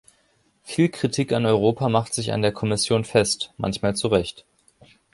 Viel Kritik an Europa macht sich an der Kommission fest, manchmal zu Recht.